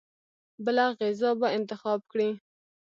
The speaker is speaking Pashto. بله غذا به انتخاب کړي.